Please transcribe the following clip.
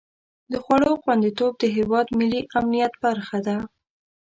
د خوړو خوندیتوب د هېواد ملي امنیت برخه ده.